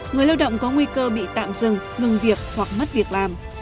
người lao động có nguy cơ bị tạm dừng ngừng việc hoặc mất việc làm